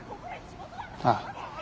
ああ。